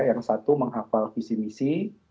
yang satu menghafal visi misi